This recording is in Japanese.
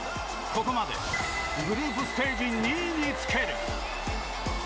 ここまでグループステージ２位につける。